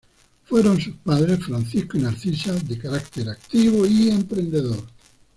Fueron sus padres, Francisco y Narcisa, de carácter activo y emprendedor.